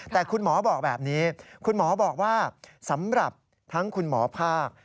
แต่คุณหมอบอกแบบนี้คุณหมอบอกว่าสำหรับทั้งคุณหมอภาค